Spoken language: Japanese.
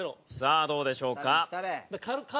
さあどうでしょうか？